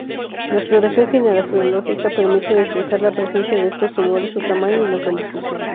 La exploración ginecológica permite detectar la presencia de estos tumores, su tamaño y localización.